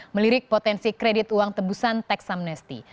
melirik potensi kredit uang tebusan tax amnesty